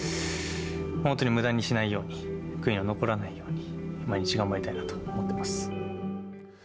本当にむだにしないように、悔いの残らないように、毎日頑張りたいなと思っています。